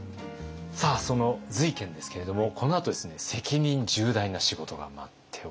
その瑞賢ですけれどもこのあとですね責任重大な仕事が待っております。